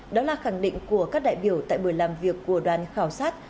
đó là khẳng định của các đại biểu tại buổi làm việc của đoàn khảo sát